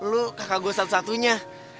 lu kakak gue satu satunya